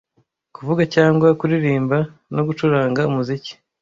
Kuvuga cyangwa kuririmba, no gucuranga-umuziki.